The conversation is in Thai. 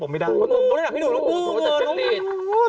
เธอได้อยากให้ดูน้ำกู้เงิน